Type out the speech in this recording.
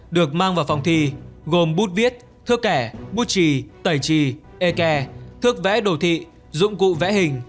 được mang vào phòng thi gồm bút viết thước kẻ bút trì tẩy trì ê kè thước vẽ đồ thị dụng cụ vẽ hình